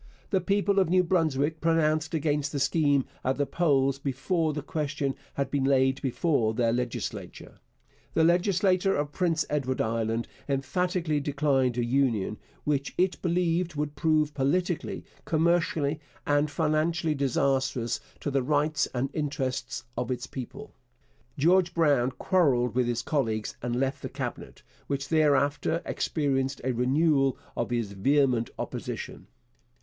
The people of New Brunswick pronounced against the scheme at the polls before the question had been laid before their legislature. The legislature of Prince Edward Island emphatically declined a union 'which it believed would prove politically, commercially, and financially disastrous to the rights and interests of its people.' George Brown quarrelled with his colleagues and left the Cabinet, which thereafter experienced a renewal of his vehement opposition.